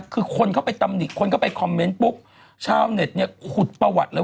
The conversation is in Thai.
คือคนเข้าไปตำนิดคันเข้าไปปุ๊บเช่านี้เนี่ยหุดประวัติเลย